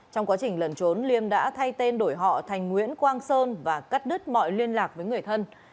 trong quá trình lần trốn liêm đã thay tên đổi họ thành nguyễn quang sơn và cắt đứt mọi liên lạc với người thân